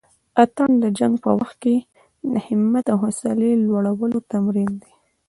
اتڼ د جنګ په وخت کښې د همت او حوصلې لوړلو تمرين دی.